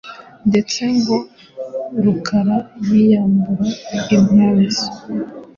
ndetse ngo Rukara yiyambura impuzu